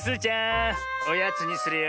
おやつにするよ。